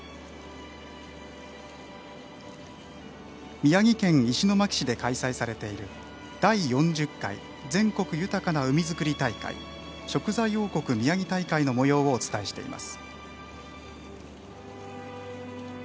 宮城県石巻市で開催されている「第４０回全国豊かな海づくり大会食材王国みやぎ大会」のもようをお伝えしています。